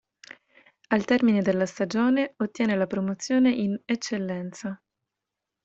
Al termine della stagione ottiene la promozione in Eccellenza.